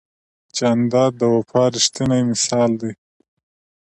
جانداد د وفا ریښتینی مثال دی.